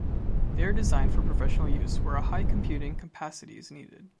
They are designed for professional use, where a high computing capacity is needed.